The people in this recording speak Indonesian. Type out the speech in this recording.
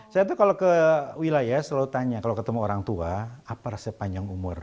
saya tuh kalau ke wilayah selalu tanya kalau ketemu orang tua apa sepanjang umur